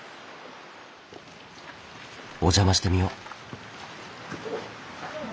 お邪魔してみよう。